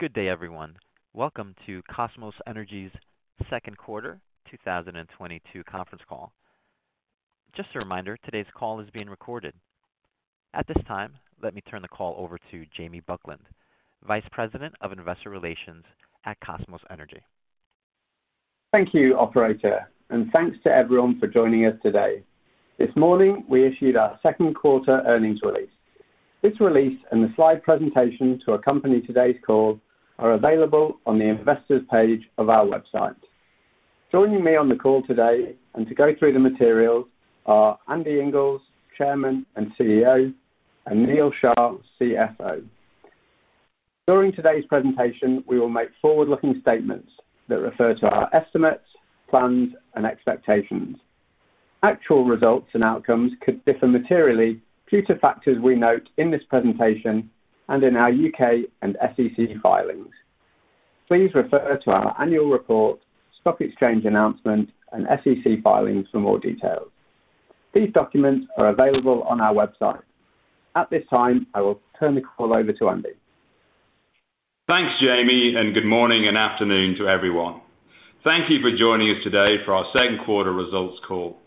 Good day, everyone. Welcome to Kosmos Energy's second quarter 2022 conference call. Just a reminder, today's call is being recorded. At this time, let me turn the call over to Jamie Buckland, Vice President of Investor Relations at Kosmos Energy. Thank you, operator, and thanks to everyone for joining us today. This morning, we issued our second quarter earnings release. This release and the slide presentation to accompany today's call are available on the investors' page of our website. Joining me on the call today and to go through the materials are Andy Inglis, Chairman and CEO, and Neal Shah, CFO. During today's presentation, we will make forward-looking statements that refer to our estimates, plans, and expectations. Actual results and outcomes could differ materially due to factors we note in this presentation and in our UK and SEC filings. Please refer to our annual report, stock exchange announcement, and SEC filings for more details. These documents are available on our website. At this time, I will turn the call over to Andy. Thanks, Jamie, and good morning and afternoon to everyone. Thank you for joining us today for our second quarter results call.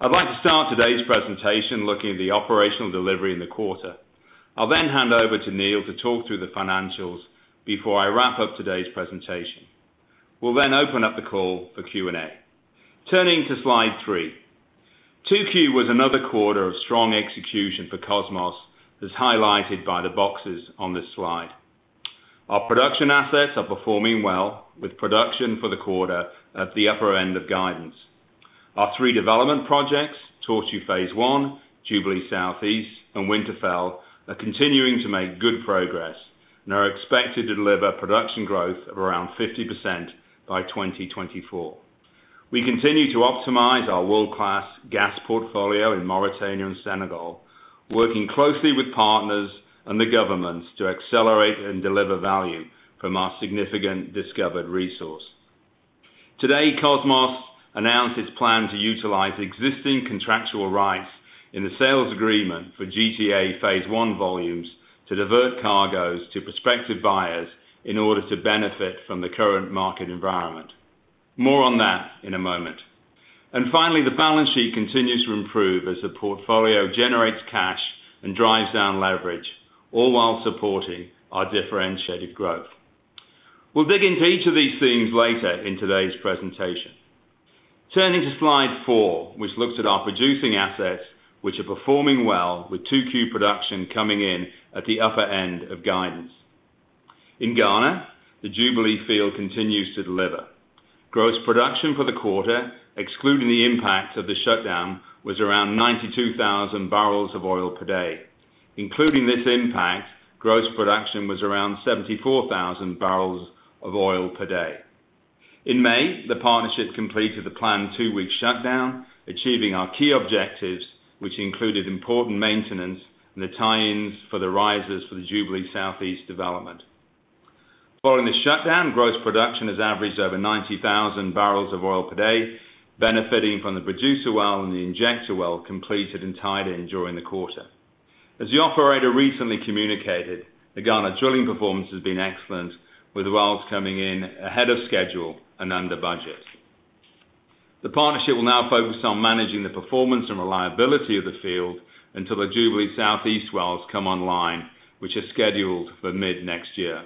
I'd like to start today's presentation looking at the operational delivery in the quarter. I'll then hand over to Neil to talk through the financials before I wrap up today's presentation. We'll then open up the call for Q&A. Turning to slide three. 2Q was another quarter of strong execution for Kosmos, as highlighted by the boxes on this slide. Our production assets are performing well, with production for the quarter at the upper end of guidance. Our three development projects, Tortue phase I, Jubilee South East, and Winterfell, are continuing to make good progress and are expected to deliver production growth of around 50% by 2024. We continue to optimize our world-class gas portfolio in Mauritania and Senegal, working closely with partners and the governments to accelerate and deliver value from our significant discovered resource. Today, Kosmos announced its plan to utilize existing contractual rights in the sales agreement for GTA phase I volumes to divert cargos to prospective buyers in order to benefit from the current market environment. More on that in a moment. Finally, the balance sheet continues to improve as the portfolio generates cash and drives down leverage, all while supporting our differentiated growth. We'll dig into each of these themes later in today's presentation. Turning to slide four, which looks at our producing assets, which are performing well with 2Q production coming in at the upper end of guidance. In Ghana, the Jubilee field continues to deliver. Gross production for the quarter, excluding the impact of the shutdown, was around 92,000 bpd. Including this impact, gross production was around 74,000 bpd. In May, the partnership completed the planned two-week shutdown, achieving our key objectives, which included important maintenance and the tie-ins for the risers for the Jubilee South East development. Following the shutdown, gross production has averaged over 90,000 bpd, benefiting from the producer well and the injector well completed and tied in during the quarter. As the operator recently communicated, the Ghana drilling performance has been excellent, with the wells coming in ahead of schedule and under budget. The partnership will now focus on managing the performance and reliability of the field until the Jubilee South East wells come online, which is scheduled for mid-next year.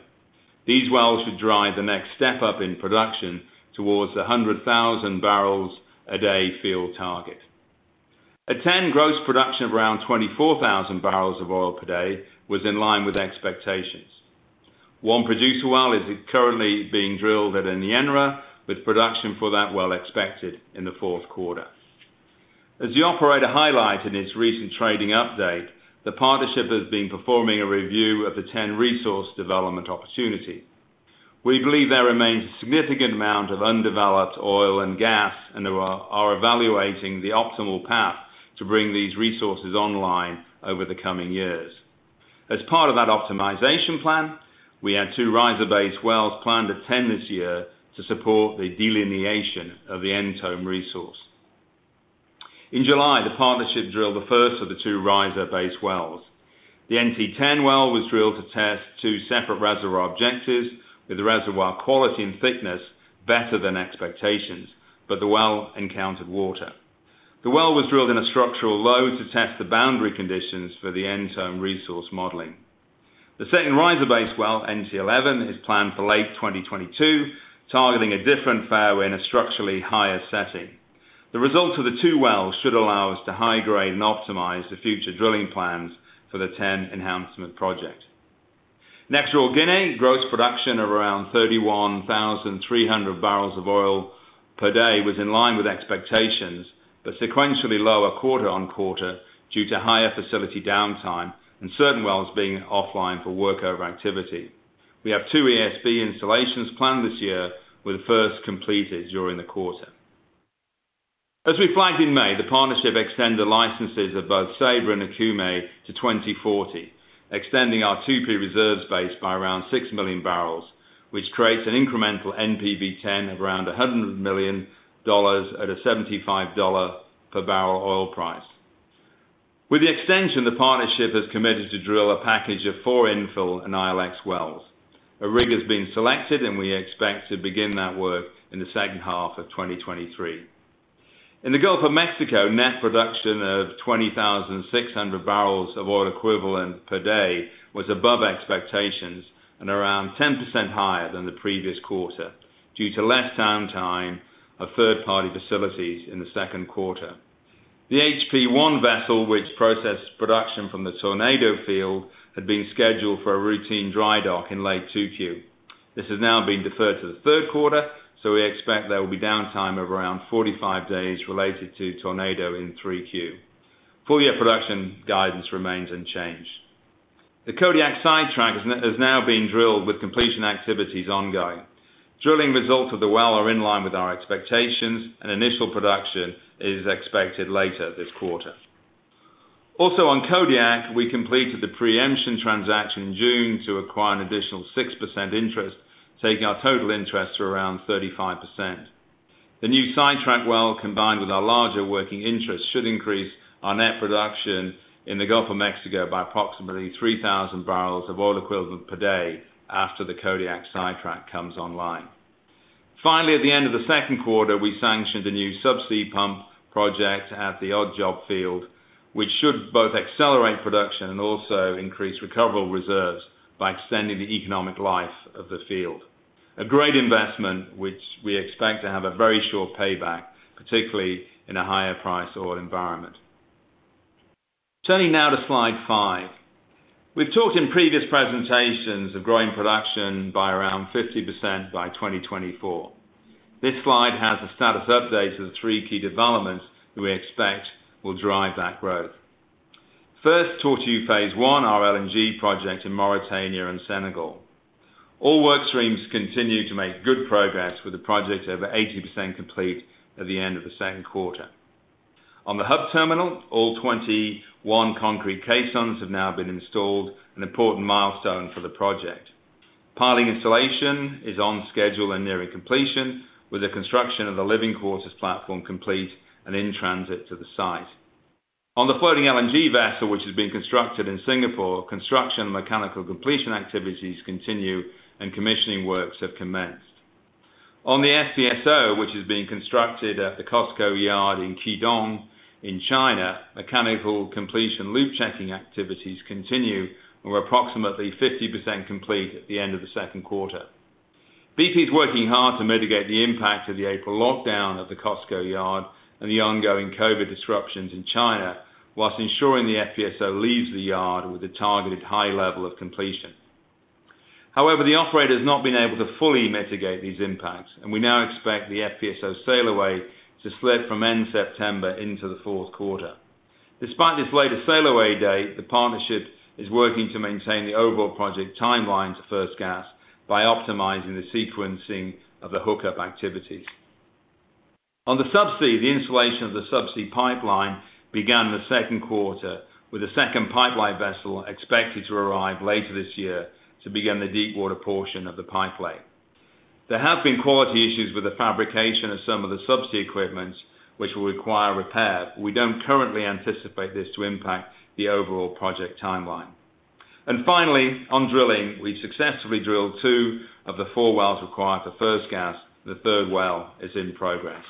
These wells should drive the next step-up in production towards a 100,000 bpd field target. At 10, gross production of around 24,000 bpd was in line with expectations. One producer well is currently being drilled at Enyenra, with production for that well expected in the fourth quarter. As the operator highlighted in its recent trading update, the partnership has been performing a review of the 10 resource development opportunity. We believe there remains a significant amount of undeveloped oil and gas, and we are evaluating the optimal path to bring these resources online over the coming years. As part of that optimization plan, we had two riser-based wells planned at 10 this year to support the delineation of the Ntomme resource. In July, the partnership drilled the first of the two riser-based wells. The NT10 well was drilled to test two separate reservoir objectives, with the reservoir quality and thickness better than expectations, but the well encountered water. The well was drilled in a structural low to test the boundary conditions for the end zone resource modeling. The second riser-based well, NT11, is planned for late 2022, targeting a different fairway in a structurally higher setting. The results of the two wells should allow us to high-grade and optimize the future drilling plans for the TEN enhancement project. In Equatorial Guinea, gross production of around 31,300 bpd was in line with expectations, but sequentially lower quarter-over-quarter due to higher facility downtime and certain wells being offline for workover activity. We have two ESP installations planned this year, with the first completed during the quarter. As we flagged in May, the partnership extended licenses of both Ceiba and Okume to 2040, extending our 2P reserves base by around six million barrels, which creates an incremental NPV10 of around $100 million at a $75 per barrel oil price. With the extension, the partnership has committed to drill a package of four infill and ILX wells. A rig has been selected, and we expect to begin that work in the second half of 2023. In the Gulf of Mexico, net production of 20,600 barrels of oil equivalent per day was above expectations and around 10% higher than the previous quarter due to less downtime of third-party facilities in the second quarter. The HP-1 vessel, which processed production from the Tornado field, had been scheduled for a routine dry dock in late 2Q. This has now been deferred to the third quarter, so we expect there will be downtime of around 45 days related to Tornado in 3Q. Full year production guidance remains unchanged. The Kodiak sidetrack has now been drilled with completion activities ongoing. Drilling results of the well are in line with our expectations, and initial production is expected later this quarter. Also on Kodiak, we completed the preemption transaction in June to acquire an additional 6% interest, taking our total interest to around 35%. The new sidetrack well, combined with our larger working interest, should increase our net production in the Gulf of Mexico by approximately 3,000 barrels of oil equivalent per day after the Kodiak sidetrack comes online. Finally, at the end of the second quarter, we sanctioned a new subsea pump project at the Odd Job field, which should both accelerate production and also increase recoverable reserves by extending the economic life of the field. A great investment which we expect to have a very short payback, particularly in a higher price oil environment. Turning now to slide five. We've talked in previous presentations of growing production by around 50% by 2024. This slide has a status update of the three key developments that we expect will drive that growth. First, Tortue phase I, our LNG project in Mauritania and Senegal. All work streams continue to make good progress with the project over 80% complete at the end of the second quarter. On the hub terminal, all 21 concrete caissons have now been installed, an important milestone for the project. Piling installation is on schedule and nearing completion, with the construction of the living quarters platform complete and in transit to the site. On the floating LNG vessel, which is being constructed in Singapore, construction mechanical completion activities continue and commissioning works have commenced. On the FPSO, which is being constructed at the COSCO yard in Qidong in China, mechanical completion loop checking activities continue and were approximately 50% complete at the end of the second quarter. BP's working hard to mitigate the impact of the April lockdown at the COSCO yard and the ongoing COVID disruptions in China, while ensuring the FPSO leaves the yard with a targeted high level of completion. However, the operator has not been able to fully mitigate these impacts, and we now expect the FPSO sail away to slip from end September into the fourth quarter. Despite this later sail away date, the partnership is working to maintain the overall project timeline to first gas by optimizing the sequencing of the hookup activities. On the subsea, the installation of the subsea pipeline began the second quarter, with a second pipeline vessel expected to arrive later this year to begin the deep water portion of the pipe lay. There have been quality issues with the fabrication of some of the subsea equipment, which will require repair. We don't currently anticipate this to impact the overall project timeline. Finally, on drilling, we've successfully drilled two of the four wells required for first gas. The third well is in progress.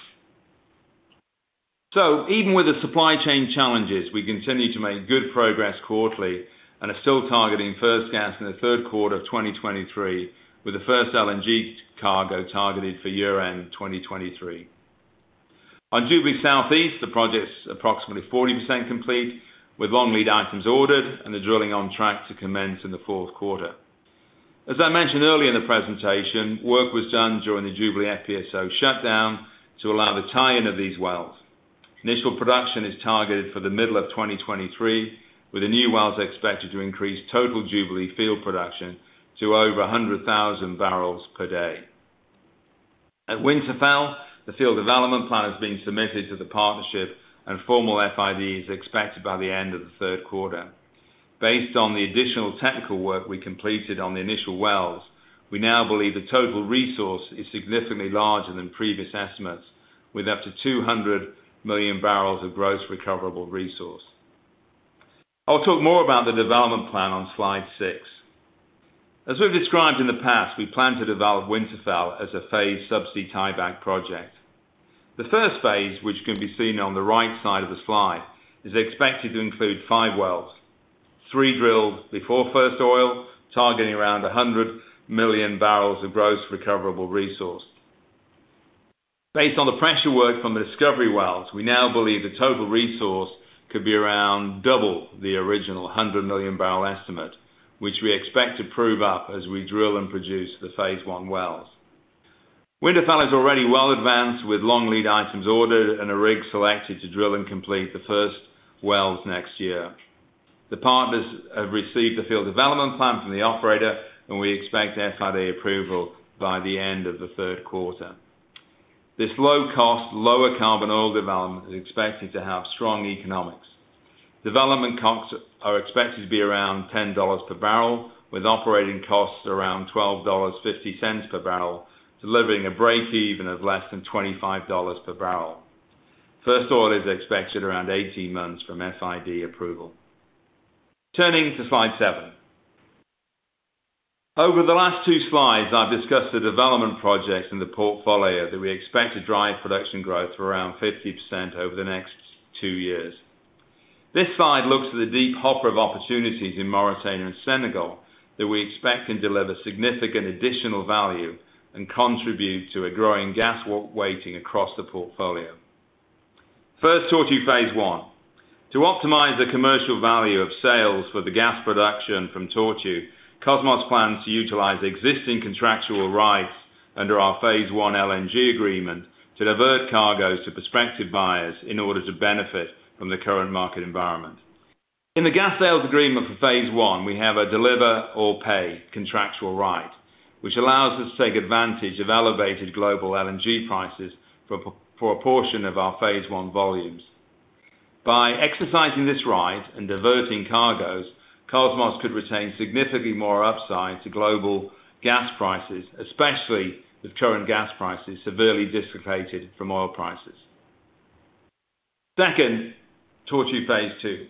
Even with the supply chain challenges, we continue to make good progress quarterly and are still targeting first gas in the third quarter of 2023, with the first LNG cargo targeted for year-end 2023. On Jubilee South East, the project's approximately 40% complete, with long lead items ordered and the drilling on track to commence in the fourth quarter. As I mentioned earlier in the presentation, work was done during the Jubilee FPSO shutdown to allow the tie-in of these wells. Initial production is targeted for the middle of 2023, with the new wells expected to increase total Jubilee field production to over 100,000 bpd. At Winterfell, the field development plan has been submitted to the partnership, and formal FID is expected by the end of the third quarter. Based on the additional technical work we completed on the initial wells, we now believe the total resource is significantly larger than previous estimates, with up to 200 million barrels of gross recoverable resource. I'll talk more about the development plan on slide six. As we've described in the past, we plan to develop Winterfell as a phased subsea tieback project. The first phase, which can be seen on the right side of the slide, is expected to include five wells, three drilled before first oil, targeting around 100 million barrels of gross recoverable resource. Based on the pressure work from the discovery wells, we now believe the total resource could be around double the original 100 million barrel estimate, which we expect to prove up as we drill and produce the phase I wells. Winterfell is already well advanced, with long lead items ordered and a rig selected to drill and complete the first wells next year. The partners have received the field development plan from the operator, and we expect FID approval by the end of the third quarter. This low cost, lower carbon oil development is expected to have strong economics. Development costs are expected to be around $10 per barrel, with operating costs around $12.50 per barrel, delivering a break-even of less than $25 per barrel. First oil is expected around 18 months from FID approval. Turning to slide seven. Over the last two slides, I've discussed the development projects in the portfolio that we expect to drive production growth around 50% over the next two years. This slide looks at the deep hopper of opportunities in Mauritania and Senegal that we expect can deliver significant additional value and contribute to a growing gas weighting across the portfolio. First, Tortue phase I. To optimize the commercial value of sales for the gas production from Tortue, Kosmos plans to utilize existing contractual rights under our phase I LNG agreement to divert cargos to prospective buyers in order to benefit from the current market environment. In the gas sales agreement for phase I, we have a deliver or pay contractual right, which allows us to take advantage of elevated global LNG prices for a portion of our phase 1 volumes. By exercising this right and diverting cargos, Kosmos could retain significantly more upside to global gas prices, especially with current gas prices severely dissociated from oil prices. Second, Tortue phase II.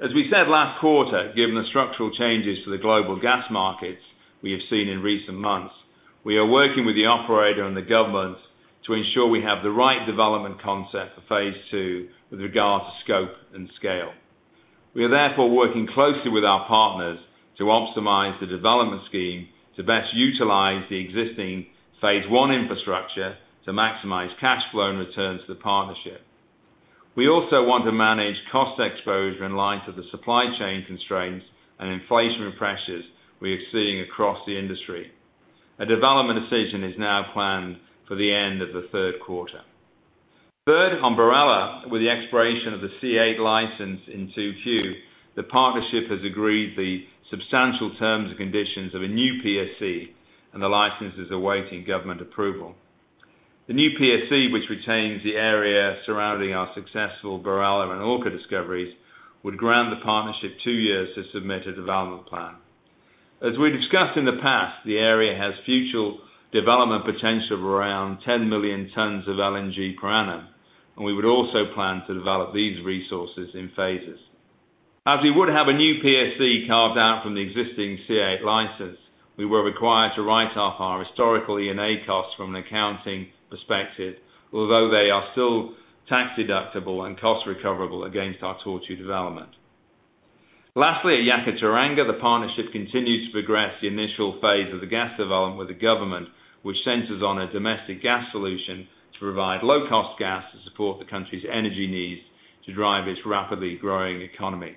As we said last quarter, given the structural changes to the global gas markets we have seen in recent months, we are working with the operator and the government to ensure we have the right development concept for phase II with regard to scope and scale. We are therefore working closely with our partners to optimize the development scheme to best utilize the existing phase I infrastructure to maximize cash flow and returns to the partnership. We also want to manage cost exposure in line with the supply chain constraints and inflationary pressures we are seeing across the industry. A development decision is now planned for the end of the third quarter. Third, on BirAllah, with the expiration of the C-8 license in 2Q, the partnership has agreed the substantial terms and conditions of a new PSC, and the license is awaiting government approval. The new PSC, which retains the area surrounding our successful BirAllah and Orca discoveries, would grant the partnership two years to submit a development plan. As we discussed in the past, the area has future development potential of around 10 million tons of LNG per annum, and we would also plan to develop these resources in phases. As we would have a new PSC carved out from the existing C-8 license, we were required to write off our historical E&A costs from an accounting perspective, although they are still tax-deductible and cost recoverable against our Tortue development. Lastly, at Yakaar-Teranga, the partnership continues to progress the initial phase of the gas development with the government, which centers on a domestic gas solution to provide low-cost gas to support the country's energy needs to drive its rapidly growing economy.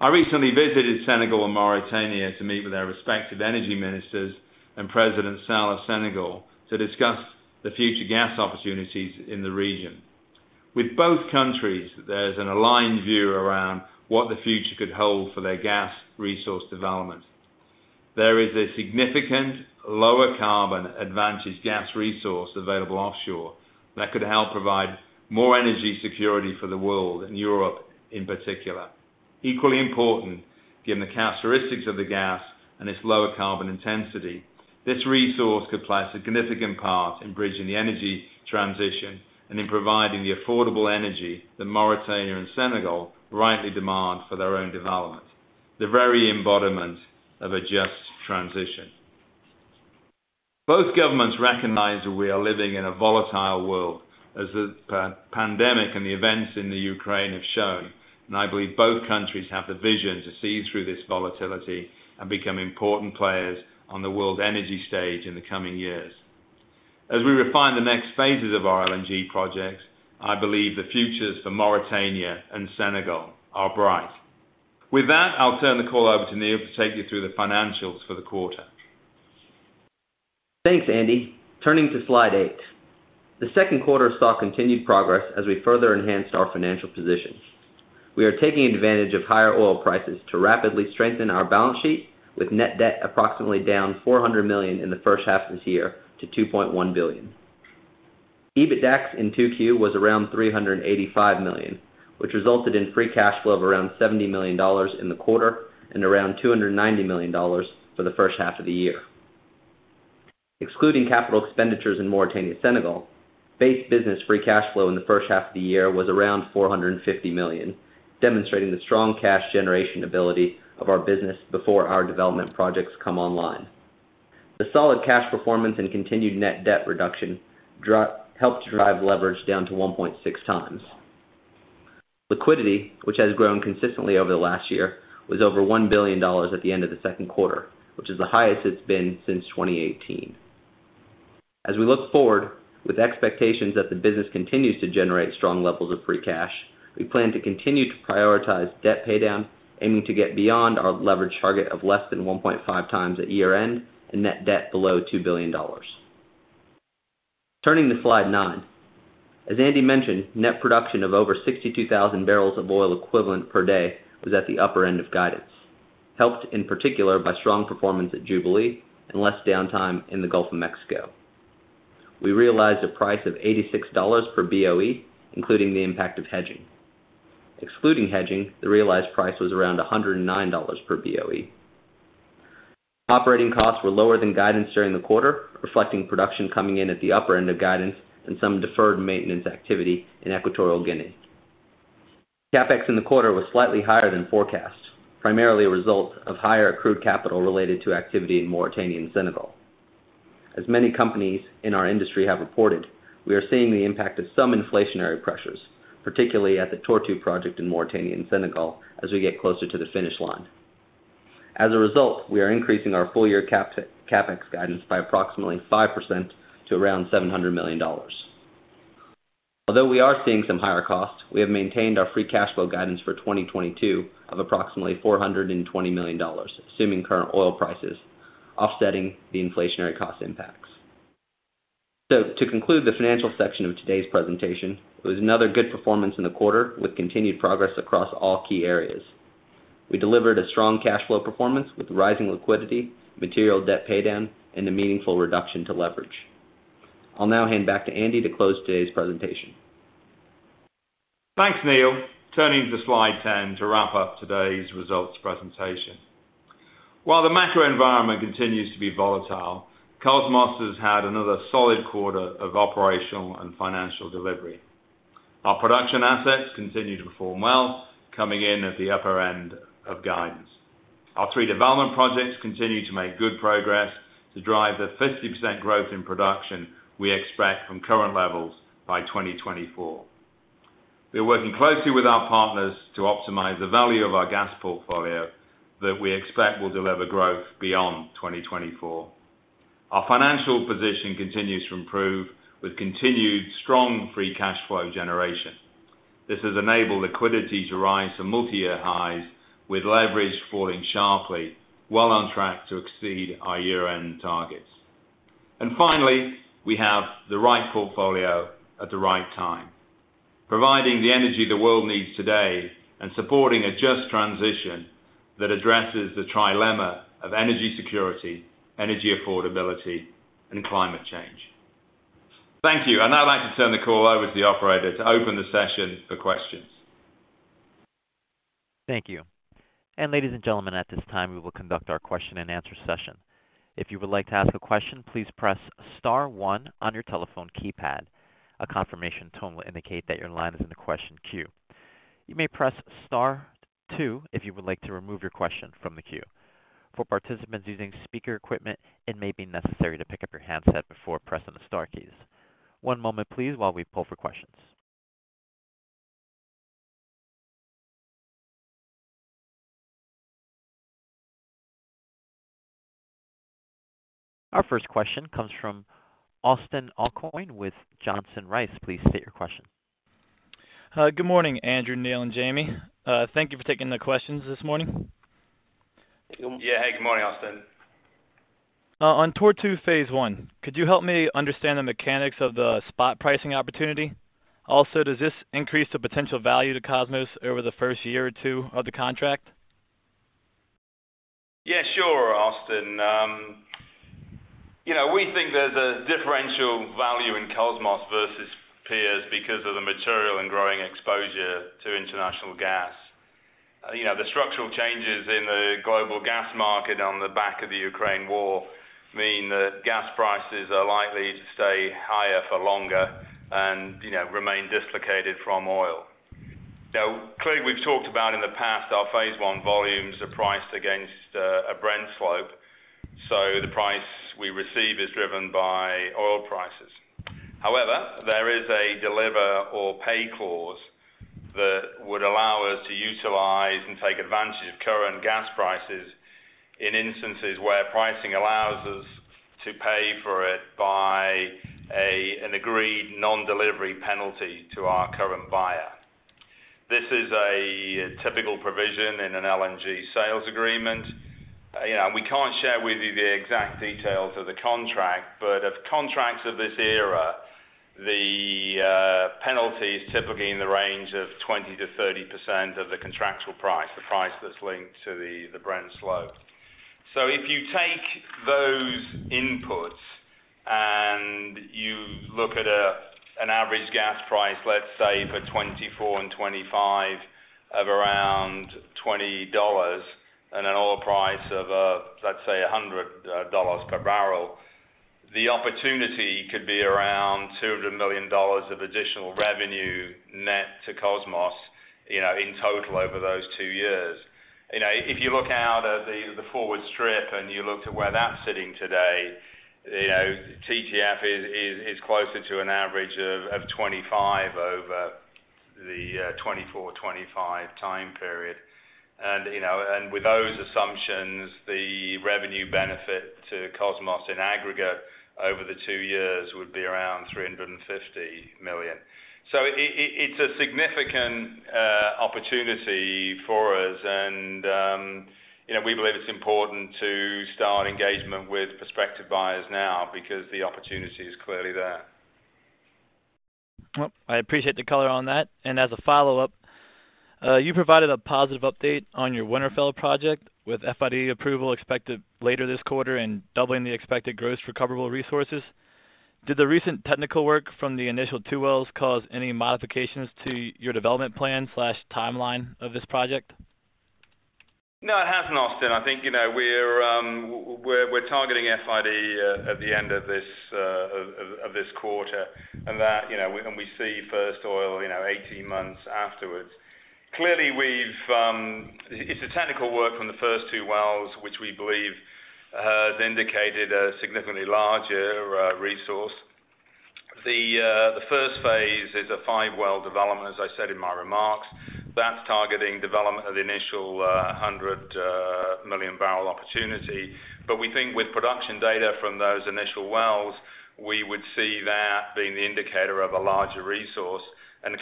I recently visited Senegal and Mauritania to meet with their respective energy ministers and President Sall of Senegal to discuss the future gas opportunities in the region. With both countries, there's an aligned view around what the future could hold for their gas resource development. There is a significant lower carbon advantage gas resource available offshore that could help provide more energy security for the world and Europe in particular. Equally important, given the characteristics of the gas and its lower carbon intensity, this resource could play a significant part in bridging the energy transition and in providing the affordable energy that Mauritania and Senegal rightly demand for their own development, the very embodiment of a just transition. Both governments recognize that we are living in a volatile world as the pandemic and the events in Ukraine have shown, and I believe both countries have the vision to see through this volatility and become important players on the world energy stage in the coming years. As we refine the next phases of our LNG projects, I believe the futures for Mauritania and Senegal are bright. With that, I'll turn the call over to Neil to take you through the financials for the quarter. Thanks, Andy. Turning to slide eight. The second quarter saw continued progress as we further enhanced our financial position. We are taking advantage of higher oil prices to rapidly strengthen our balance sheet with net debt approximately down $400 million in the first half of this year to $2.1 billion. EBITDAX in 2Q was around $385 million, which resulted in free cash flow of around $70 million dollars in the quarter and around $290 million for the first half of the year. Excluding capital expenditures in Mauritania, Senegal, base business free cash flow in the first half of the year was around $450 million, demonstrating the strong cash generation ability of our business before our development projects come online. The solid cash performance and continued net debt reduction helped to drive leverage down to 1.6 times. Liquidity, which has grown consistently over the last year, was over $1 billion at the end of the second quarter, which is the highest it's been since 2018. As we look forward, with expectations that the business continues to generate strong levels of free cash, we plan to continue to prioritize debt paydown, aiming to get beyond our leverage target of less than 1.5 times at year-end and net debt below $2 billion. Turning to slide nine. As Andy mentioned, net production of over 62,000 barrels of oil equivalent per day was at the upper end of guidance, helped in particular by strong performance at Jubilee and less downtime in the Gulf of Mexico. We realized a price of $86 per BOE, including the impact of hedging. Excluding hedging, the realized price was around $109 per BOE. Operating costs were lower than guidance during the quarter, reflecting production coming in at the upper end of guidance and some deferred maintenance activity in Equatorial Guinea. CapEx in the quarter was slightly higher than forecast, primarily a result of higher accrued capital related to activity in Mauritania and Senegal. As many companies in our industry have reported, we are seeing the impact of some inflationary pressures, particularly at the Tortue project in Mauritania and Senegal as we get closer to the finish line. As a result, we are increasing our full-year CapEx guidance by approximately 5% to around $700 million. Although we are seeing some higher costs, we have maintained our free cash flow guidance for 2022 of approximately $420 million, assuming current oil prices offsetting the inflationary cost impacts. To conclude the financial section of today's presentation, it was another good performance in the quarter with continued progress across all key areas. We delivered a strong cash flow performance with rising liquidity, material debt pay down, and a meaningful reduction to leverage. I'll now hand back to Andy to close today's presentation. Thanks, Neal. Turning to slide 10 to wrap up today's results presentation. While the macro environment continues to be volatile, Kosmos has had another solid quarter of operational and financial delivery. Our production assets continue to perform well, coming in at the upper end of guidance. Our three development projects continue to make good progress to drive the 50% growth in production we expect from current levels by 2024. We're working closely with our partners to optimize the value of our gas portfolio that we expect will deliver growth beyond 2024. Our financial position continues to improve with continued strong free cash flow generation. This has enabled liquidity to rise to multi-year highs with leverage falling sharply, well on track to exceed our year-end targets. Finally, we have the right portfolio at the right time, providing the energy the world needs today and supporting a just transition that addresses the trilemma of energy security, energy affordability, and climate change. Thank you. I'd now like to turn the call over to the operator to open the session for questions. Thank you. Ladies and gentlemen, at this time, we will conduct our question-and-answer session. If you would like to ask a question, please press star one on your telephone keypad. A confirmation tone will indicate that your line is in the question queue. You may press star two if you would like to remove your question from the queue. For participants using speaker equipment, it may be necessary to pick up your handset before pressing the star keys. One moment, please, while we pull for questions. Our first question comes from Austin Aucoin with Johnson Rice. Please state your question. Good morning, Andy, Neil, and Jamie. Thank you for taking the questions this morning. Yeah. Hey, good morning, Austin. On Tortue phase I, could you help me understand the mechanics of the spot pricing opportunity? Also, does this increase the potential value to Kosmos over the first year or two of the contract? Yeah, sure, Austin. You know, we think there's a differential value in Kosmos versus peers because of the material and growing exposure to international gas. You know, the structural changes in the global gas market on the back of the Ukraine war mean that gas prices are likely to stay higher for longer and, you know, remain dislocated from oil. Now, clearly, we've talked about in the past, our phase I volumes are priced against a Brent slope, so the price we receive is driven by oil prices. However, there is a deliver or pay clause that would allow us to utilize and take advantage of current gas prices in instances where pricing allows us to pay for it by an agreed non-delivery penalty to our current buyer. This is a typical provision in an LNG sales agreement. You know, we can't share with you the exact details of the contract, but of contracts of this era, the penalty is typically in the range of 20%-30% of the contractual price, the price that's linked to the Brent slope. If you take those inputs and you look at an average gas price, let's say, for 2024 and 2025 of around $20 and an oil price of, let's say, $100 per barrel, the opportunity could be around $200 million of additional revenue net to Kosmos, you know, in total over those two years. You know, if you look out at the forward strip and you look to where that's sitting today, you know, TTF is closer to an average of 25 over the 2024/2025 time period. You know, with those assumptions, the revenue benefit to Kosmos in aggregate over the two years would be around $350 million. It's a significant opportunity for us and, you know, we believe it's important to start engagement with prospective buyers now because the opportunity is clearly there. Well, I appreciate the color on that. As a follow-up, you provided a positive update on your Winterfell project with FID approval expected later this quarter and doubling the expected gross recoverable resources. Did the recent technical work from the initial two wells cause any modifications to your development plan/timeline of this project? No, it hasn't, Austin. I think, you know, we're targeting FID at the end of this quarter. That, you know, we see first oil, you know, 18 months afterwards. Clearly, it's the technical work from the first two wells, which we believe has indicated a significantly larger resource. The first phase is a five-well development, as I said in my remarks. That's targeting development of the initial 100 million barrel opportunity. But we think with production data from those initial wells, we would see that being the indicator of a larger resource.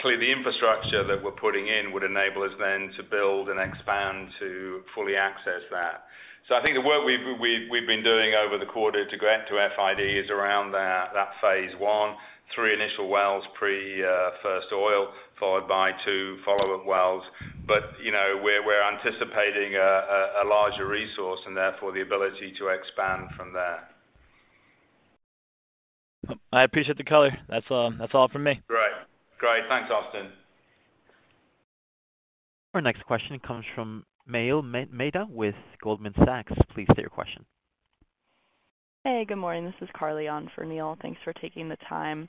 Clearly, the infrastructure that we're putting in would enable us then to build and expand to fully access that. I think the work we've been doing over the quarter to get to FID is around that phase I, three initial wells pre first oil, followed by two follow-up wells. You know, we're anticipating a larger resource, and therefore the ability to expand from there. I appreciate the color. That's all from me. Great. Thanks, Austin. Our next question comes from Neil Mehta with Goldman Sachs. Please state your question. Hey, good morning. This is Carly on for Neil. Thanks for taking the time.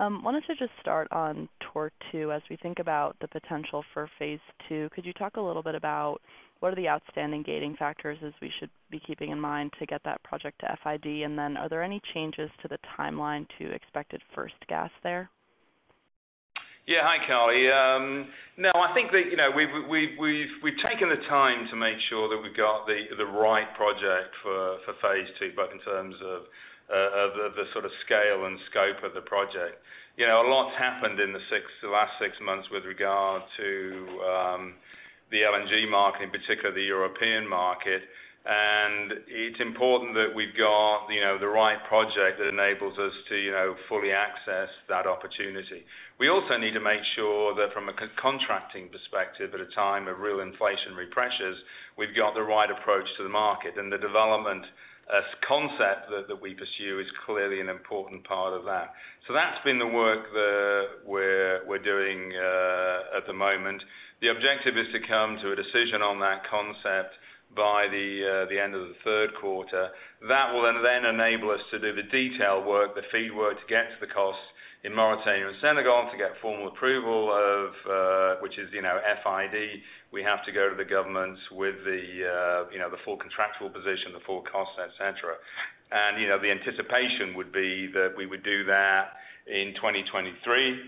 Wanted to just start on Tortue. As we think about the potential for phase II, could you talk a little bit about what are the outstanding gating factors as we should be keeping in mind to get that project to FID? Are there any changes to the timeline to expected first gas there? Yeah. Hi, Carly. No, I think that, you know, we've taken the time to make sure that we've got the right project for phase II, both in terms of the sort of scale and scope of the project. You know, a lot's happened in the last six months with regard to the LNG market, in particular the European market. It's important that we've got, you know, the right project that enables us to, you know, fully access that opportunity. We also need to make sure that from a contracting perspective at a time of real inflationary pressures, we've got the right approach to the market. The development concept that we pursue is clearly an important part of that. That's been the work that we're doing at the moment. The objective is to come to a decision on that concept by the end of the third quarter. That will then enable us to do the detail work, the feed work to get to the cost in Mauritania and Senegal to get formal approval of, which is, you know, FID. We have to go to the governments with the, you know, the full contractual position, the full cost, et cetera. The anticipation would be that we will do that in 2023.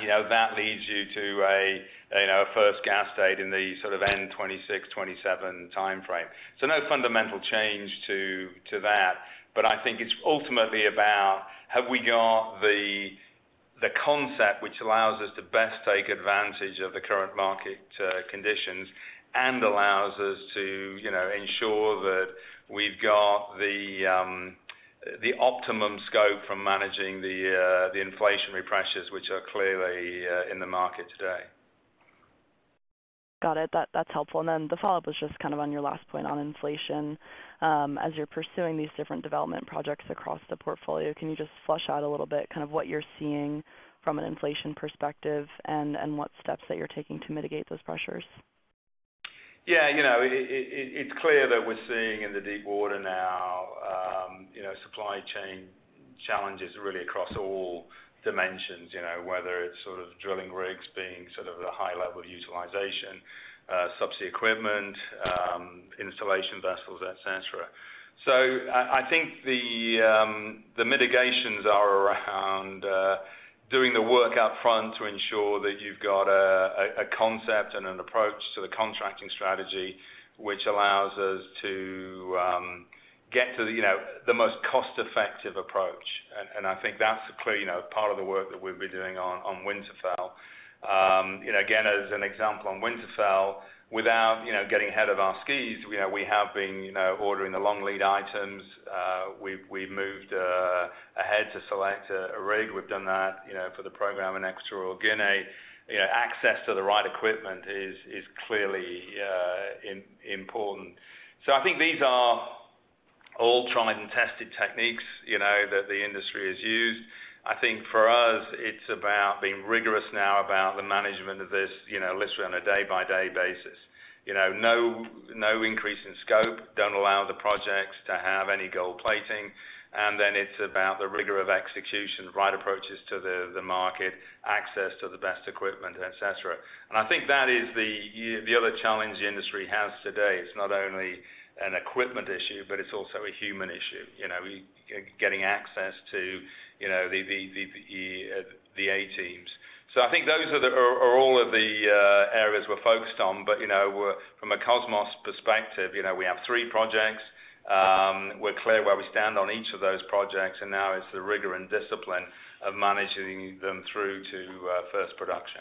You know, that leads you to a, you know, a first gas date in the sort of end-2026, 2027 timeframe. No fundamental change to that. I think it's ultimately about have we got the concept which allows us to best take advantage of the current market conditions and allows us to, you know, ensure that we've got the optimum scope from managing the inflationary pressures which are clearly in the market today. Got it. That's helpful. The follow-up was just kind of on your last point on inflation. As you're pursuing these different development projects across the portfolio, can you just flesh out a little bit kind of what you're seeing from an inflation perspective and what steps that you're taking to mitigate those pressures? It's clear that we're seeing in the deep water now, you know, supply chain challenges really across all dimensions, you know, whether it's sort of drilling rigs being sort of at a high level of utilization, subsea equipment, installation vessels, et cetera. I think the mitigations are around doing the work up front to ensure that you've got a concept and an approach to the contracting strategy, which allows us to get to the, you know, the most cost-effective approach. I think that's a clear, you know, part of the work that we've been doing on Winterfell. You know, again, as an example on Winterfell, without, you know, getting ahead of our skis, you know, we have been, you know, ordering the long lead items. We've moved ahead to select a rig. We've done that, you know, for the program in Equatorial Guinea. You know, access to the right equipment is clearly important. I think these are all tried and tested techniques, you know, that the industry has used. I think for us it's about being rigorous now about the management of this, you know, literally on a day-by-day basis. You know, no increase in scope. Don't allow the projects to have any gold plating. It's about the rigor of execution, right approaches to the market, access to the best equipment, et cetera. I think that is the other challenge the industry has today. It's not only an equipment issue, but it's also a human issue. You know, getting access to, you know, the A teams. I think those are all of the areas we're focused on. From a Kosmos perspective, you know, we have three projects. We're clear where we stand on each of those projects, and now it's the rigor and discipline of managing them through to first production.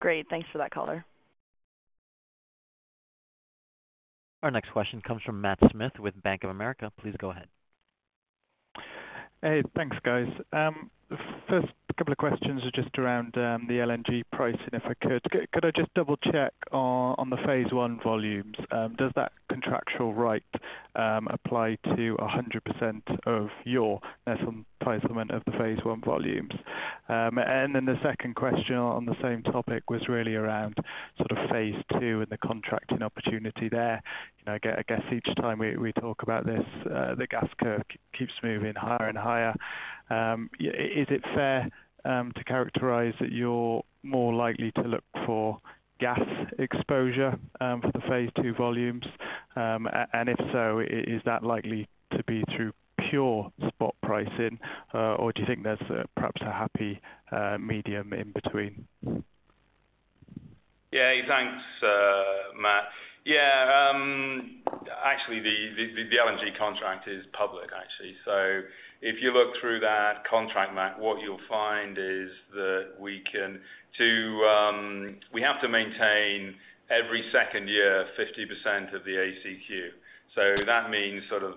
Great. Thanks for that color. Our next question comes from Matt Smith with Bank of America. Please go ahead. Hey, thanks, guys. First couple of questions are just around the LNG pricing, if I could. Could I just double-check on the phase I volumes, does that contractual right apply to 100% of your entitlement of the phase I volumes? And then the second question on the same topic was really around sort of phase II and the contracting opportunity there. You know, I guess each time we talk about this, the gas keeps moving higher and higher. Is it fair to characterize that you're more likely to look for gas exposure for the phase II volumes? And if so, is that likely to be through pure spot pricing, or do you think there's perhaps a happy medium in between? Yeah. Thanks, Matt. Yeah, actually the LNG contract is public, actually. If you look through that contract, Matt, what you'll find is that we have to maintain every second year 50% of the ACQ. That means sort of,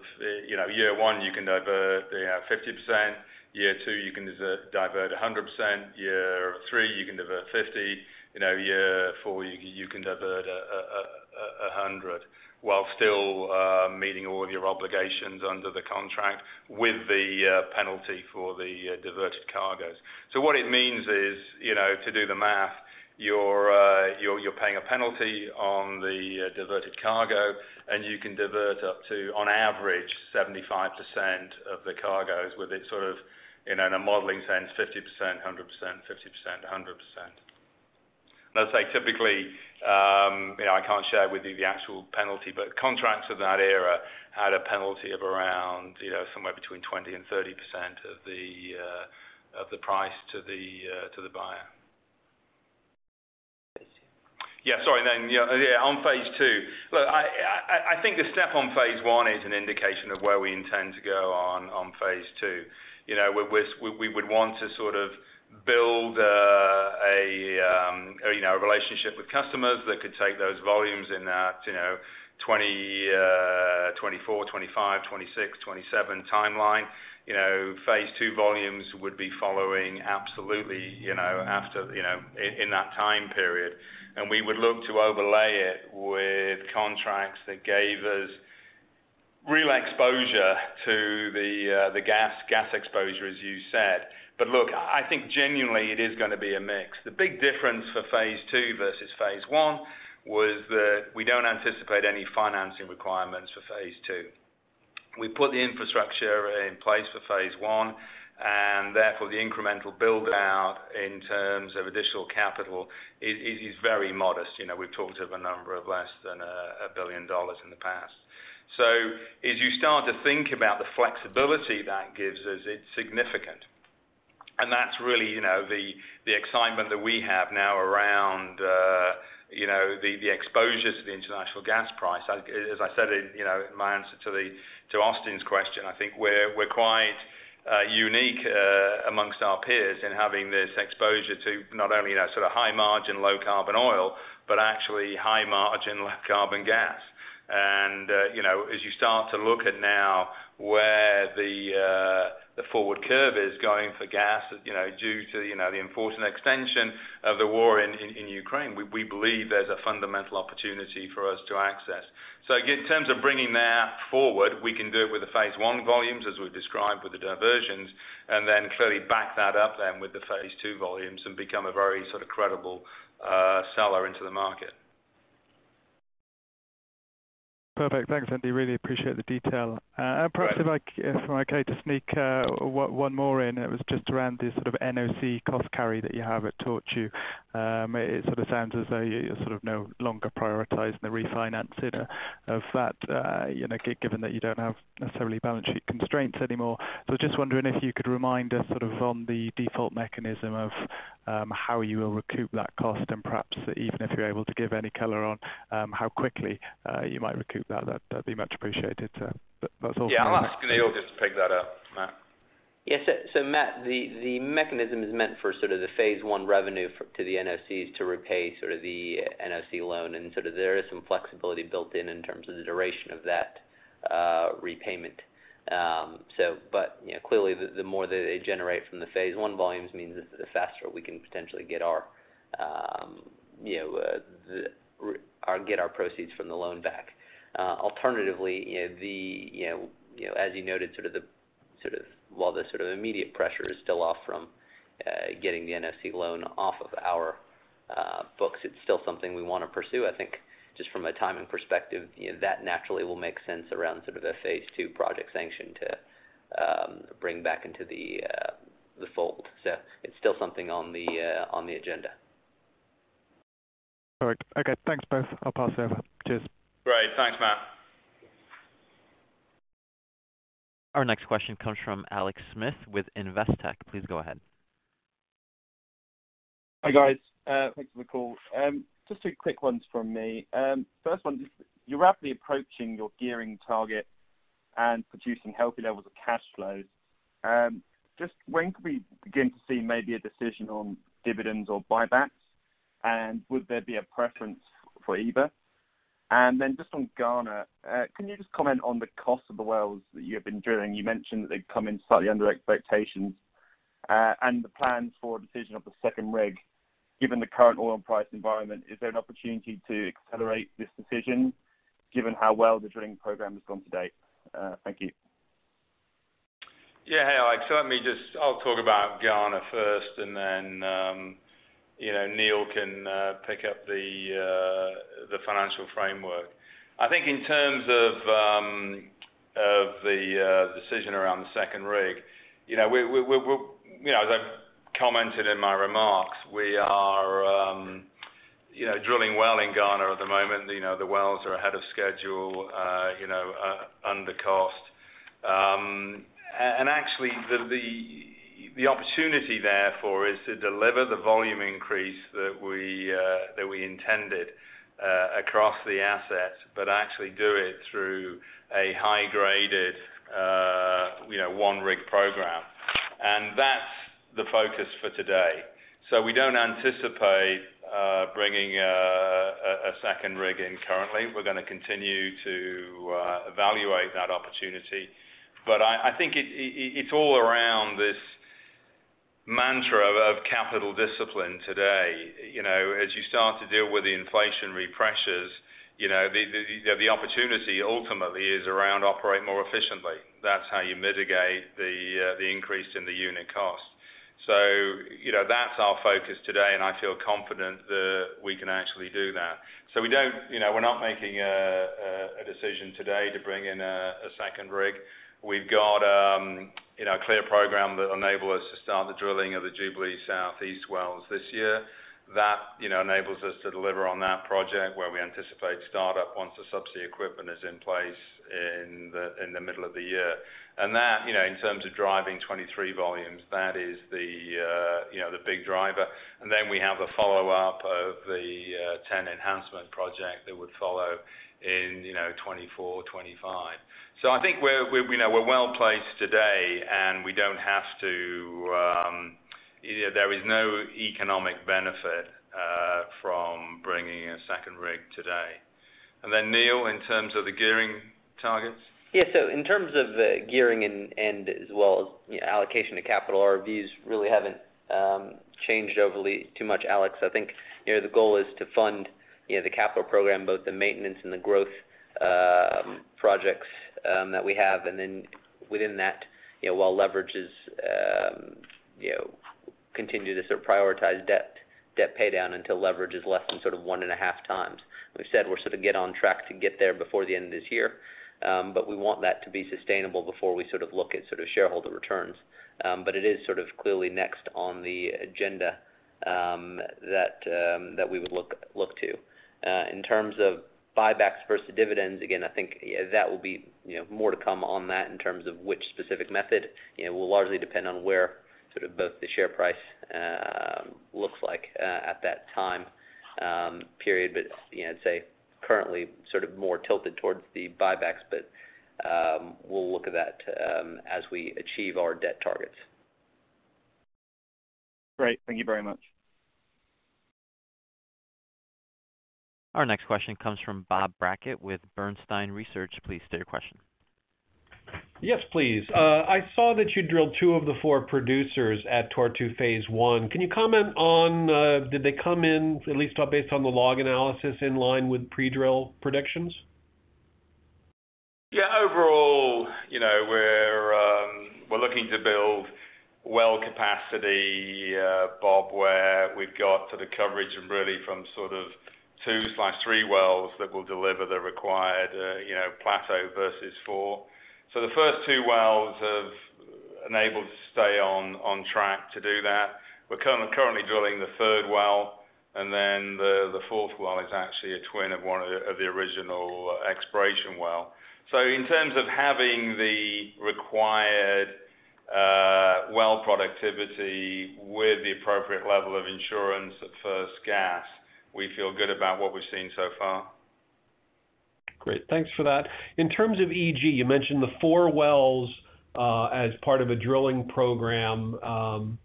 you know, year one, you can divert, you know, 50%. Year two, you can divert 100%. Year three, you can divert 50%. You know, year four, you can divert 100% while still meeting all of your obligations under the contract with the penalty for the diverted cargoes. What it means is, you know, to do the math, you're paying a penalty on the diverted cargo, and you can divert up to, on average, 75% of the cargoes with it, sort of, in a modeling sense, 50%, 100%, 50%, 100%. Let's say typically, you know, I can't share with you the actual penalty, but contracts of that era had a penalty of around, you know, somewhere between 20% and 30% of the price to the buyer. phase II. Yeah, sorry. Yeah, on phase II. Look, I think the step on phase I is an indication of where we intend to go on phase II. You know, we would want to sort of build, you know, a relationship with customers that could take those volumes in that, you know, 2024, 2025, 2026, 2027 timeline. You know, phase II volumes would be following absolutely, you know, after, you know, in that time period. We would look to overlay it with contracts that gave us real exposure to the gas exposure, as you said. Look, I think genuinely it is gonna be a mix. The big difference for phase II versus phase I was that we don't anticipate any financing requirements for phase II. We put the infrastructure in place for phase I, and therefore the incremental build-out in terms of additional capital is very modest. You know, we've talked of a number of less than $1 billion in the past. As you start to think about the flexibility that gives us, it's significant. That's really, you know, the excitement that we have now around the exposures to the international gas price. As I said in my answer to Austin's question, I think we're quite unique amongst our peers in having this exposure to not only that sort of high margin, low carbon oil, but actually high margin, low carbon gas. You know, as you start to look at now where the forward curve is going for gas, you know, due to the unfortunate extension of the war in Ukraine, we believe there's a fundamental opportunity for us to access. In terms of bringing that forward, we can do it with the phase I volumes, as we've described with the diversions, and then clearly back that up then with the phase II volumes and become a very sort of credible seller into the market. Perfect. Thanks, Andy, really appreciate the detail. Perhaps if I could just sneak one more in. It was just around the sort of NOC cost carry that you have at Tortue. It sort of sounds as though you're sort of no longer prioritizing the refinancing of that, you know, given that you don't have necessarily balance sheet constraints anymore. Just wondering if you could remind us sort of on the default mechanism of how you will recoup that cost and perhaps even if you're able to give any color on how quickly you might recoup that'd be much appreciated? But that's all from me. Yeah. I'll ask Neal just to pick that up, Matt. Yeah, Matt, the mechanism is meant for sort of the phase I revenue to the NOCs to repay sort of the NOC loan. There is some flexibility built in in terms of the duration of that repayment. But you know, clearly the more that they generate from the phase I volumes means the faster we can potentially get our proceeds from the loan back. Alternatively, you know, you know, as you noted, sort of while the immediate pressure is still off from getting the NOC loan off of our books, it's still something we wanna pursue. I think just from a timing perspective, you know, that naturally will make sense around sort of the phase II project sanction to bring back into the fold. It's still something on the agenda. All right. Okay, thanks both. I'll pass over. Cheers. Great. Thanks, Matt. Our next question comes from Alex Smith with Investec. Please go ahead. Hi, guys. Thanks for the call. Just two quick ones from me. First one, just you're rapidly approaching your gearing target and producing healthy levels of cash flows. Just when could we begin to see maybe a decision on dividends or buybacks, and would there be a preference for either? Just on Ghana, can you just comment on the cost of the wells that you have been drilling? You mentioned that they've come in slightly under expectations, and the plans for a decision of the second rig. Given the current oil and price environment, is there an opportunity to accelerate this decision given how well the drilling program has gone to date? Thank you. Yeah. Hey, Alex. Let me just. I'll talk about Ghana first, and then, you know, Neal can pick up the financial framework. I think in terms of the decision around the second rig, you know, we're, you know, as I commented in my remarks, we are, you know, drilling well in Ghana at the moment. You know, the wells are ahead of schedule, you know, under cost. And actually, the opportunity therefore is to deliver the volume increase that we intended across the asset, but actually do it through a high-graded, you know, one rig program. That's the focus for today. We don't anticipate bringing a second rig in currently. We're gonna continue to evaluate that opportunity. I think it's all around this mantra of capital discipline today. You know, as you start to deal with the inflationary pressures, you know, the opportunity ultimately is around operate more efficiently. That's how you mitigate the increase in the unit cost. You know, that's our focus today, and I feel confident that we can actually do that. We don't, you know, we're not making a decision today to bring in a second rig. We've got, you know, a clear program that enable us to start the drilling of the Jubilee South East wells this year. That, you know, enables us to deliver on that project where we anticipate startup once the subsea equipment is in place in the middle of the year. That, you know, in terms of driving 2023 volumes, that is the you know, the big driver. We have a follow-up of the TEN enhancement project that would follow in, you know, 2024, 2025. I think we're well placed today and we don't have to, you know, there is no economic benefit from bringing a second rig today. Neal, in terms of the gearing targets. Yeah. In terms of the gearing and as well as, you know, allocation of capital, our views really haven't changed overly too much, Alex. I think, you know, the goal is to fund, you know, the capital program, both the maintenance and the growth projects that we have. Within that, you know, while leverage is, you know, continue to sort of prioritize debt pay down until leverage is less than sort of 1.5 times. We've said we'll sort of get on track to get there before the end of this year, but we want that to be sustainable before we sort of look at sort of shareholder returns. It is sort of clearly next on the agenda, that we would look to. In terms of buybacks versus dividends, again, I think, yeah, that will be, you know, more to come on that in terms of which specific method. You know, will largely depend on where sort of both the share price looks like at that time period. You know, I'd say currently sort of more tilted towards the buybacks, but we'll look at that as we achieve our debt targets. Great. Thank you very much. Our next question comes from Bob Brackett with Bernstein Research. Please state your question. Yes, please. I saw that you drilled two of the four producers at Tortue phase I. Can you comment on did they come in at least based on the log analysis in line with pre-drill predictions? Yeah. Overall, you know, we're looking to build well capacity, Bob, where we've got the coverage and really from sort of 2/3 wells that will deliver the required, you know, plateau versus four. The first two wells have enabled to stay on track to do that. We're currently drilling the third well, and then the fourth well is actually a twin of one of the original exploration well. In terms of having the required well productivity with the appropriate level of insurance at first gas, we feel good about what we've seen so far. Great. Thanks for that. In terms of EG, you mentioned the four wells as part of a drilling program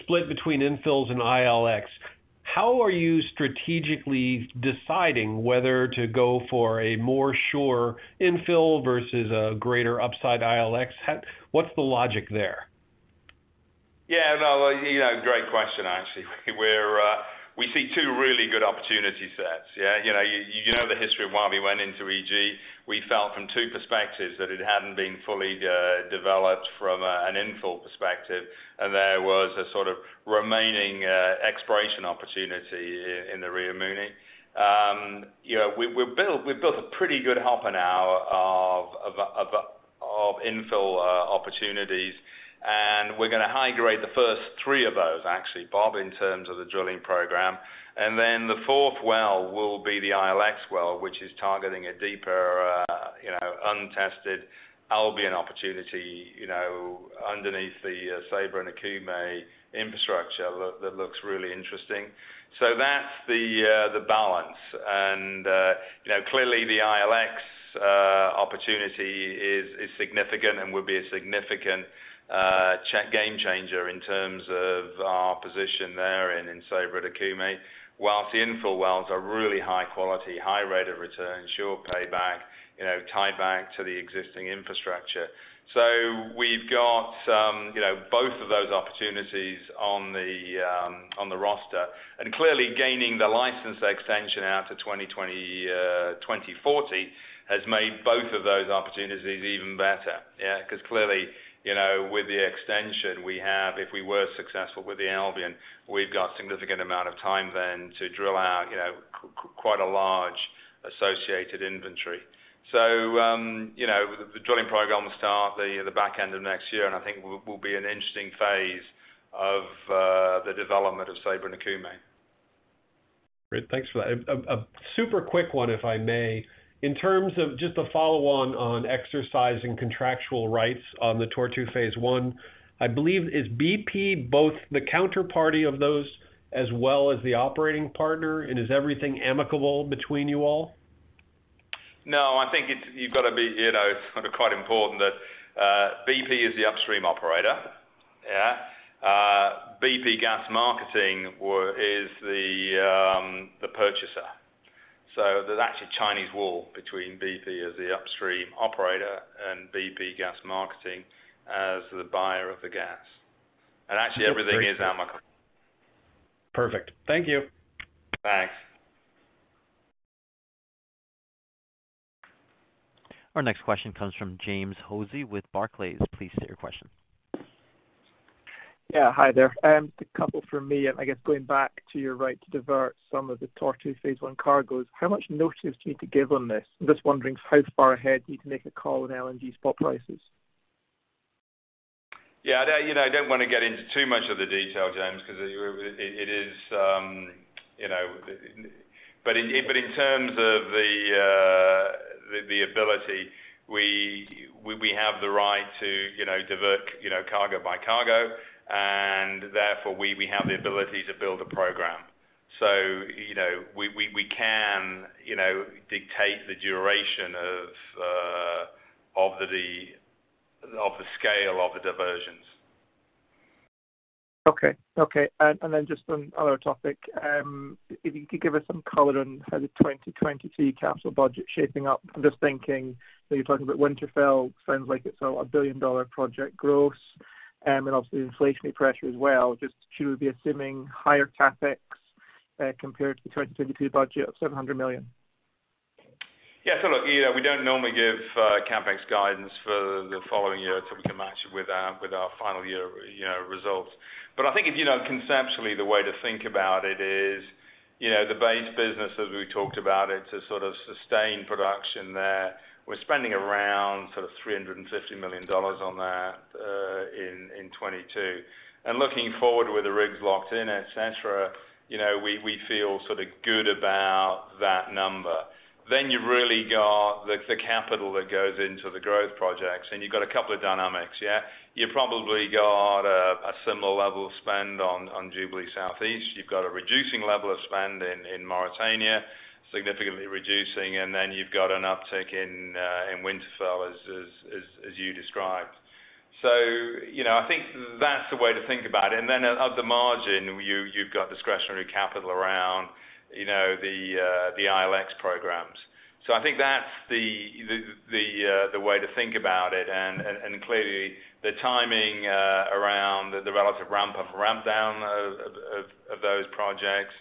split between infills and ILX. How are you strategically deciding whether to go for a more sure infill versus a greater upside ILX? How, what's the logic there? Yeah. No. You know, great question, actually. We see two really good opportunity sets. Yeah. You know, you know the history of why we went into EG. We felt from two perspectives that it hadn't been fully developed from an infill perspective, and there was a sort of remaining exploration opportunity in the Río Muni. You know, we built a pretty good handful of infill opportunities, and we're gonna high grade the first three of those actually, Bob, in terms of the drilling program. Then the fourth well will be the ILX well, which is targeting a deeper untested Albian opportunity underneath the Ceiba and Okume infrastructure that looks really interesting. That's the balance. You know, clearly the ILX opportunity is significant and will be a significant game changer in terms of our position there in Ceiba and Okume, while the infill wells are really high quality, high rate of return, sure payback, you know, tieback to the existing infrastructure. We've got some, you know, both of those opportunities on the roster, and clearly gaining the license extension out to 2020, 2040 has made both of those opportunities even better, yeah. 'Cause clearly, you know, with the extension we have, if we were successful with the Albian, we've got significant amount of time then to drill out, you know, quite a large associated inventory. You know, the drilling program will start the back end of next year, and I think will be an interesting phase of the development of Ceiba and Okume. Great. Thanks for that. Super quick one, if I may. In terms of just to follow on exercising contractual rights on the Tortue phase I, I believe is BP both the counterparty of those as well as the operating partner, and is everything amicable between you all? No, I think it's you've got to be, you know, sort of quite important that BP is the upstream operator. Yeah. BP Gas Marketing is the purchaser. So there's actually Chinese wall between BP as the upstream operator and BP Gas Marketing as the buyer of the gas. Actually everything is amicable. Perfect. Thank you. Thanks. Our next question comes from James Hosie with Barclays. Please state your question. Yeah, hi there. A couple from me. I guess going back to your right to divert some of the Tortue phase I cargoes, how much notice do you need to give on this? I'm just wondering how far ahead you need to make a call on LNG spot prices. Yeah, you know, I don't wanna get into too much of the detail, James, 'cause it is, you know. In terms of the ability, we have the right to, you know, divert, you know, cargo by cargo, and therefore we have the ability to build a program. You know, we can, you know, dictate the duration of the scale of the diversions. Then just on another topic, if you could give us some color on how the 2022 capital budget is shaping up. I'm just thinking that you're talking about Winterfell. It sounds like it's a billion-dollar project gross, and obviously inflationary pressure as well. Should we be assuming higher CapEx compared to the 2022 budget of $700 million? Yeah. Look, you know, we don't normally give CapEx guidance for the following year till we can match with our final year, you know, results. I think, you know, conceptually the way to think about it is, you know, the base business, as we talked about, it's a sort of sustained production there. We're spending around sort of $350 million on that in 2022. Looking forward with the rigs locked in, et cetera, you know, we feel sort of good about that number. You've really got the capital that goes into the growth projects, and you've got a couple of dynamics, yeah. You probably got a similar level of spend on Jubilee South East. You've got a reducing level of spend in Mauritania, significantly reducing, and then you've got an uptick in Winterfell as you described. You know, I think that's the way to think about it. At the margin, you've got discretionary capital around, you know, the ILX programs. I think that's the way to think about it. Clearly the timing around the relative ramp up and ramp down of those projects,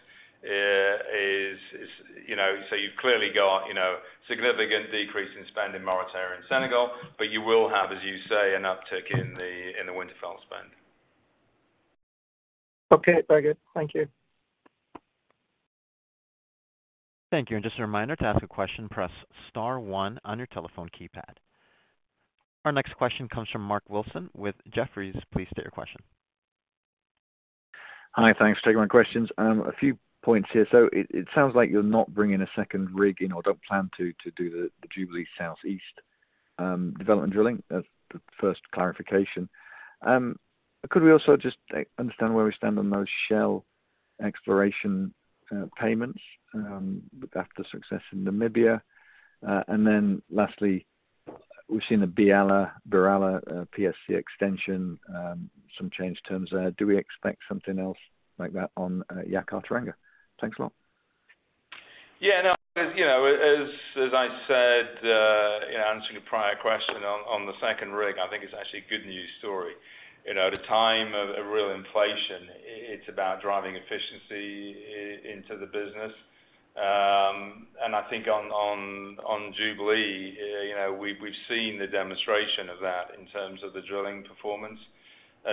you know, you've clearly got, you know, significant decrease in spend in Mauritania and Senegal, but you will have, as you say, an uptick in the Winterfell spend. Okay. Very good. Thank you. Thank you. Just a reminder, to ask a question, press star one on your telephone keypad. Our next question comes from Mark Wilson with Jefferies. Please state your question. Hi. Thanks for taking my questions. A few points here. It sounds like you're not bringing a second rig in or don't plan to do the Jubilee South East development drilling. That's the first clarification. Could we also just understand where we stand on those Shell exploration payments after success in Namibia? Lastly, we've seen the BirAllah PSC extension, some changed terms there. Do we expect something else like that on Yakaar-Teranga? Thanks a lot. Yeah, no, you know, as I said in answering a prior question on the second rig, I think it's actually a good news story. You know, at a time of real inflation, it's about driving efficiency into the business. I think on Jubilee, you know, we've seen the demonstration of that in terms of the drilling performance.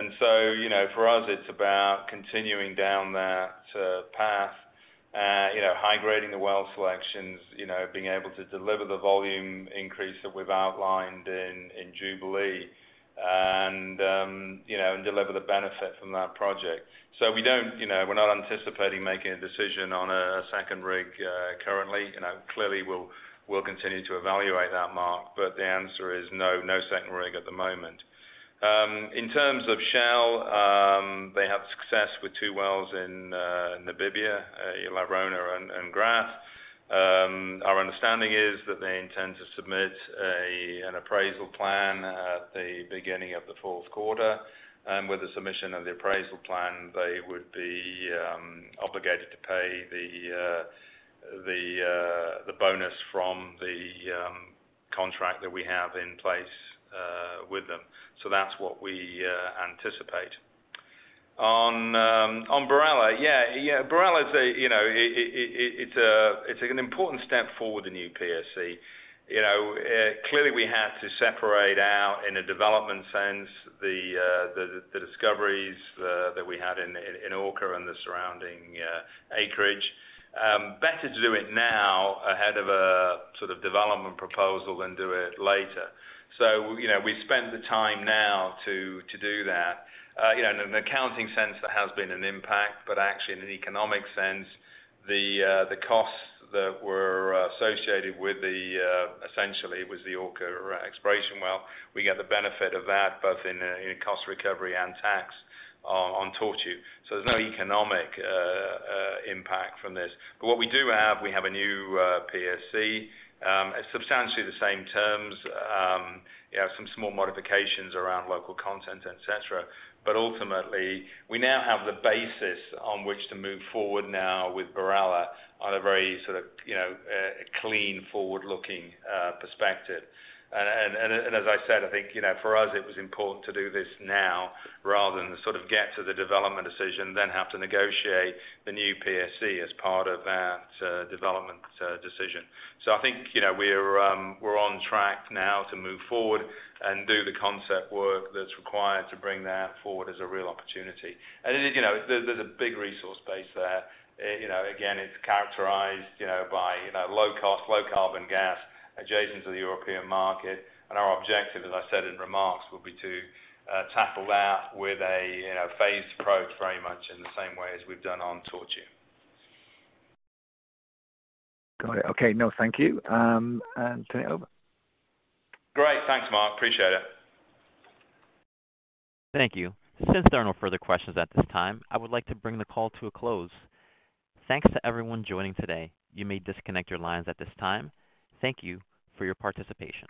You know, for us, it's about continuing down that path, you know, high-grading the well selections, you know, being able to deliver the volume increase that we've outlined in Jubilee and, you know, and deliver the benefit from that project. We don't, you know, we're not anticipating making a decision on a second rig currently. You know, clearly we'll continue to evaluate that, Mark. The answer is no second rig at the moment. In terms of Shell, they have success with two wells in Namibia, La Rona and Graff. Our understanding is that they intend to submit an appraisal plan at the beginning of the fourth quarter. With the submission of the appraisal plan, they would be obligated to pay the bonus from the contract that we have in place with them. That's what we anticipate. On BirAllah. Yeah. BirAllah is, you know, an important step forward in new PSC. You know, clearly we have to separate out in a development sense the discoveries that we had in Orca and the surrounding acreage. Better to do it now ahead of a sort of development proposal than do it later. You know, we spend the time now to do that. You know, in an accounting sense, there has been an impact, but actually in an economic sense, the costs that were associated with essentially was the Orca exploration well, we get the benefit of that both in cost recovery and tax on Tortue. There's no economic impact from this. What we do have, we have a new PSC, substantially the same terms. You have some small modifications around local content, et cetera. Ultimately, we now have the basis on which to move forward now with BirAllah on a very sort of, you know, clean, forward-looking perspective. As I said, I think, you know, for us it was important to do this now rather than sort of get to the development decision, then have to negotiate the new PSC as part of that development decision. I think, you know, we're on track now to move forward and do the concept work that's required to bring that forward as a real opportunity. You know, there's a big resource base there. You know, again, it's characterized, you know, by low cost, low carbon gas adjacent to the European market. Our objective, as I said in remarks, will be to tackle that with a phased approach very much in the same way as we've done on Tortue. Got it. Okay. No, thank you. turning it over. Great. Thanks, Mark. Appreciate it. Thank you. Since there are no further questions at this time, I would like to bring the call to a close. Thanks to everyone joining today. You may disconnect your lines at this time. Thank you for your participation.